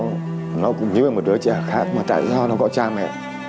nó cũng như là một đứa trẻ khác mà tại sao nó có cha mẹ